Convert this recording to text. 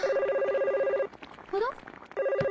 あら？